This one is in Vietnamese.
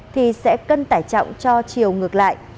thì sẽ cân tải trọng cho chiều ngược lại